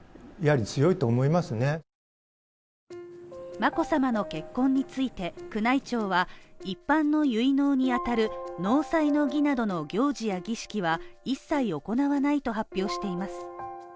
眞子さまの結婚について、宮内庁は一般の結納にあたる納采の儀などの行事や儀式は一切行わないと発表しています。